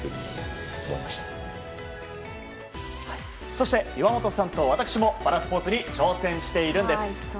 そして、岩本さんと私もパラスポーツに挑戦しているんです。